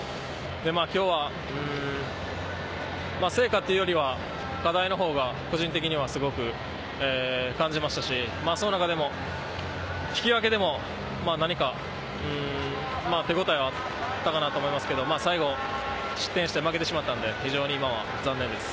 今日は、成果というよりは課題のほうが個人的にはすごく感じましたし、その中でも引き分けでも、何か手応えはあったかなと思いますけど、最後、失点して負けてしまったので非常に残念です。